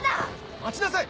待ちなさい！